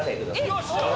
よっしゃー。